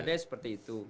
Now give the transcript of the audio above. ada yang seperti itu